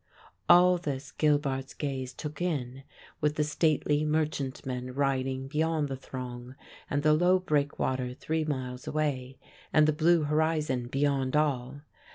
All this Gilbart's gaze took in; with the stately merchantmen riding beyond the throng, and the low breakwater three miles away, and the blue horizon beyond all.